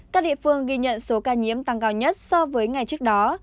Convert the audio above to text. các địa phương ghi nhận số ca nhiễm tăng cao nhất so với ngày trước đó